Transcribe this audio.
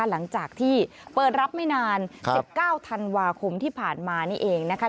หลังจากที่เปิดรับไม่นาน๑๙ธันวาคมที่ผ่านมานี่เองนะคะ